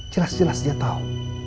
jelas jelas dia tau